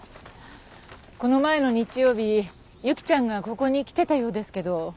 この前の日曜日由紀ちゃんがここに来てたようですけど。